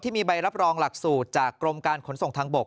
มีใบรับรองหลักสูตรจากกรมการขนส่งทางบก